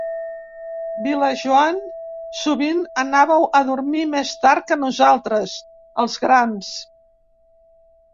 Vilajoan sovint anàveu a dormir més tard que nosaltres, els grans.